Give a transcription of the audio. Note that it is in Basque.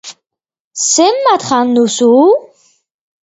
Zenbat jan duzu?